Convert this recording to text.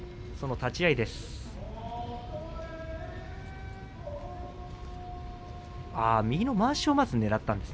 立ち合いです。